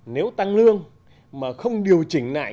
nếu tăng lương mà không điều chỉnh lại